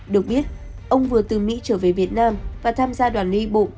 được biết ông vừa từ mỹ trở về việt nam và tham gia đoàn đi bộ